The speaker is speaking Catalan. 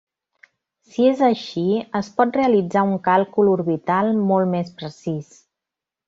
Si és així, es pot realitzar un càlcul orbital molt més precís.